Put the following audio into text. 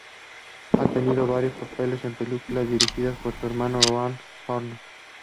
Ha tenido varios papeles en películas dirigidas por su hermano, Ron Howard.